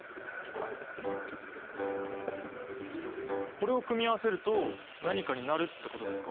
これを組み合わせると何かになるってことですか？